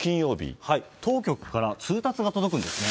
当局から通達が届くんですね。